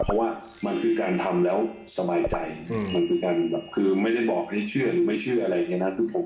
เพราะว่ามันคือการทำแล้วสบายใจมันคือการแบบคือไม่ได้บอกให้เชื่อหรือไม่เชื่ออะไรอย่างนี้นะ